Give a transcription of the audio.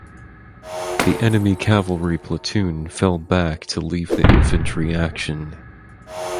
The enemy cavalry platoon fell back to leave the infantry action.